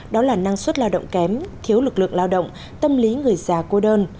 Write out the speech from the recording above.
đó là năng suất lao động kém thiếu lực lượng lao động tâm lý người già cô đơn